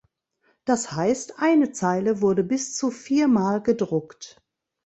Das heißt eine Zeile wurde bis zu viermal gedruckt.